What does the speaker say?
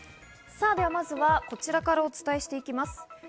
まずはこちらからお伝えしていきます。